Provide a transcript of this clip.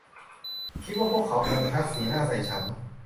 คิดว่าพวกเขาคงชักสีหน้าใส่ฉัน